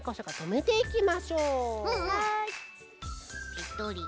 ペトリ。